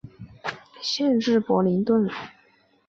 县治伯灵顿。